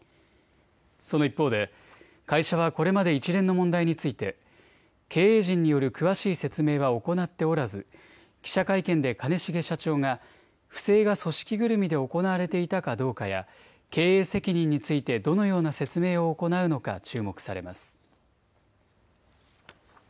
その一方で会社はこれまで一連の問題について経営陣による詳しい説明は行っておらず記者会見で兼重社長が不正が組織ぐるみで行われていたかどうかや経営責任についてどのような説明を行うのか注目されます。